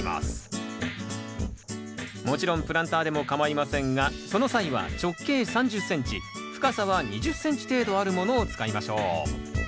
もちろんプランターでもかまいませんがその際は直径３０ｃｍ深さは２０ｃｍ程度あるものを使いましょう。